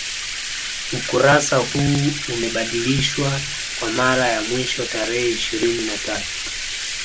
Ukurasa huu umebadilishwa kwa mara ya mwisho tarehe ishirini na tatu